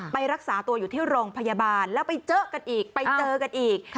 ไปรักษาตัวอยู่ที่โรงพยาบาลแล้วไปเจอกันอีกไปเจอกันอีก